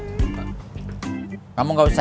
jangan luar biasa